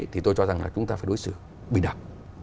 thì tôi cho rằng là chúng ta phải đối xử bình đẳng